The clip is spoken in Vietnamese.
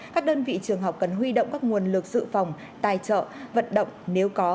các đơn vị trường học cần huy động các nguồn lực dự phòng tài trợ vận động nếu có